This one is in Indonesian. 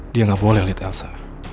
dia gak boleh liat elsa